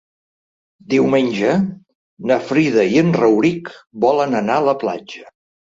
Diumenge na Frida i en Rauric volen anar a la platja.